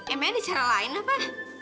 emangnya bicara lain apa